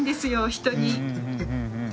人に。